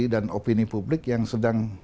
dan opini publik yang sedang